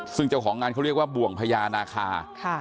ซึ่งเจ้าของงานเขาเรียกว่าบ่วงพญานาคา